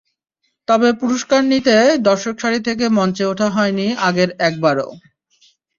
তবে পুরস্কার নিতে দর্শক সারি থেকে মঞ্চে ওঠা হয়নি আগের একবারও।